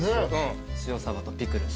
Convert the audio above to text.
塩サバとピクルス。